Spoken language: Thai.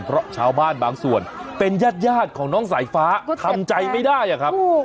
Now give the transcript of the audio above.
เพราะชาวบ้านบางส่วนเป็นญาติของน้องสายฟ้าทำใจไม่ได้อะครับ